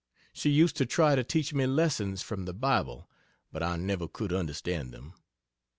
She used to try to teach me lessons from the Bible, but I never could understand them.